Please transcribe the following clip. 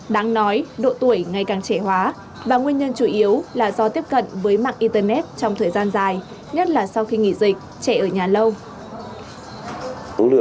đáng nói độ tuổi ngày càng trẻ hóa và nguyên nhân chủ yếu là do tiếp cận với mạng internet trong thời gian dài nhất là sau khi nghỉ dịch trẻ ở nhà lâu